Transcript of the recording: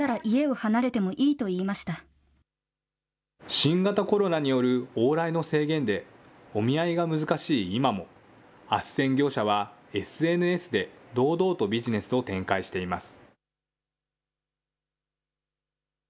新型コロナによる往来の制限で、お見合いが難しい今も、あっせん業者はＳＮＳで堂々とビジネスを展開しています。